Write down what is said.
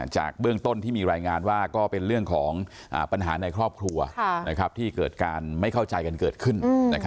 จากเบื้องต้นที่มีรายงานว่าก็เป็นเรื่องของปัญหาในครอบครัวที่เกิดการไม่เข้าใจกันเกิดขึ้น